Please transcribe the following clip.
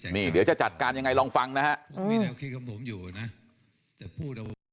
นี่เดี๋ยวจะจัดการยังไงลองฟังนะฮะ